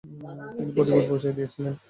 তিনি প্রতিভার পরিচয় দিয়েছিলেন ।